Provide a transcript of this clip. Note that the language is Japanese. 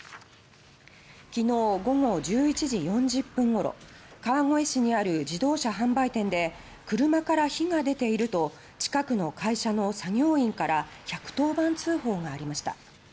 きのう午後１１時４０分ごろ川越市にある自動車販売店で「車から火が出ている」と近くの会社の作業員から１１０番通報がありました。